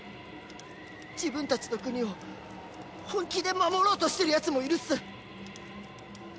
自分たちの国を本気で守ろうとしてるやつもいるっす。